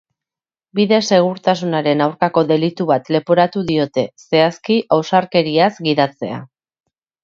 Bide-segurtasunaren aurkako delitu bat leporatu diote, zehazki, ausarkeriaz gidatzea.